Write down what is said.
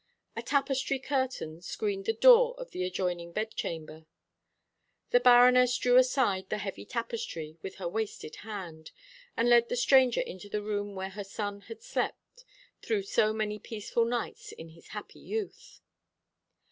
A tapestry curtain screened the door of the adjoining bedchamber. The Baroness drew aside the heavy tapestry with her wasted hand, and led the stranger into the room where her son had slept through so many peaceful nights in his happy youth.